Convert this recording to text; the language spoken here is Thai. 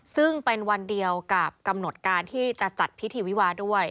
ซึ่งเป็นวันเดียวกับกำหนดการที่จะจัดพิธีวิวาด้วย